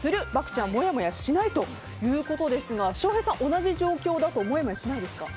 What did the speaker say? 漠ちゃんもやもやしないということですが翔平さん、同じ状況だともやもやしませんか？